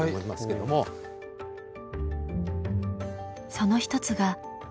その一つが井戸。